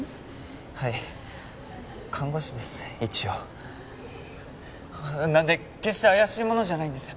はい看護師です一応なんで決して怪しい者じゃないんです